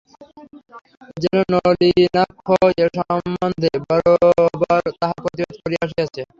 যেন নলিনাক্ষ এ সম্বন্ধে বরাবর তাঁহার প্রতিবাদ করিয়াই আসিয়াছে।